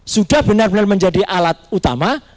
sudah benar benar menjadi alat utama